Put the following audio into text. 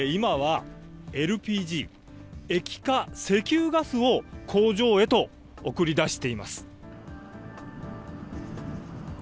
今はＬＰＧ・液化石油ガスを工場へと送り出しています。